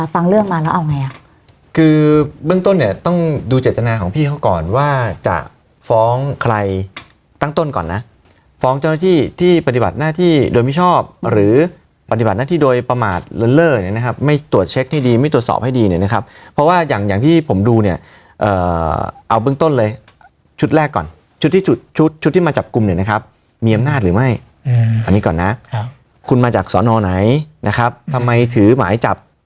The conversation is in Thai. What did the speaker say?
ฟังเรื่องมาแล้วเอาไงอ่ะคือเบื้องต้นเนี้ยต้องดูเจตนาของพี่เขาก่อนว่าจะฟ้องใครตั้งต้นก่อนน่ะฟ้องเจ้าหน้าที่ที่ปฏิบัติหน้าที่โดยผิดชอบหรือปฏิบัติหน้าที่โดยประมาทเล่นเล่นเนี้ยนะครับไม่ตรวจเช็คให้ดีไม่ตรวจสอบให้ดีเนี้ยนะครับเพราะว่าอย่างอย่างที่ผมดูเนี้ยเอ่อเอาเบื้องต้นเลยชุ